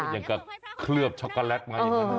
อย่างกับเคลือบช็อกโกแลตมาอย่างนั้น